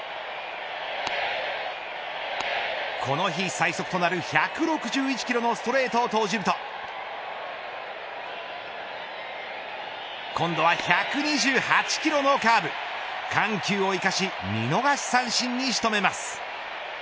この日最速となる１６１キロのストレートを投じると今度は１２８キロのカーブ緩急を生かし見逃し三振に仕留めます。